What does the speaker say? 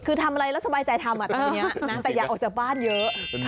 คือทำอะไรแล้วสบายใจทำแต่อย่าเอาจากบ้านเยอะ